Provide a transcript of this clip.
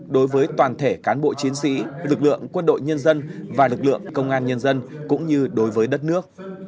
đối với toàn thể cán bộ chiến sĩ lực lượng quân đội nhân dân và lực lượng công an nhân dân cũng như đối với đất nước